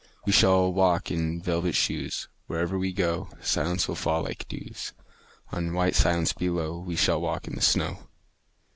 We shall walk in velvet shoes: Wherever we go Silence will fall like dews On white silence below. We shall walk in the snow.